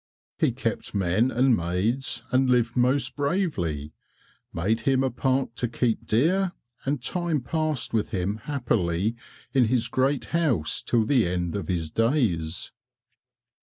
He kept men and maids and lived most bravely; made him a park to keep deer, and time passed with him happily in his great house till the end of his days.